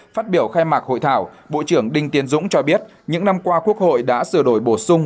phát biểu khai mạc hội thảo bộ trưởng đinh tiến dũng cho biết những năm qua quốc hội đã sửa đổi bổ sung